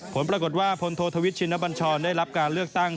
ผลปรากฏว่าพลโททวิตชินบัญชรได้รับการเลือกตั้ง